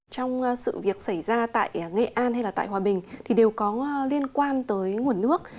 trong sự việc xảy ra tại nghệ an hay là tại hòa bình thì đều có liên quan tới nguồn nước